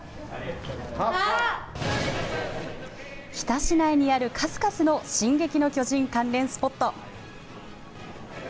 日田市内にある数々の進撃の巨人関連スポット。